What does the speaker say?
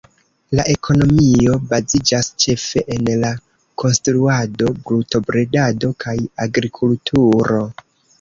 La ekonomio baziĝas ĉefe en la konstruado, brutobredado kaj agrikulturo.